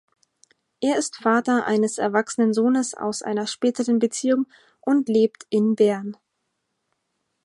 Er ist Vater eines erwachsenen Sohnes aus einer späteren Beziehung und lebt in Bern.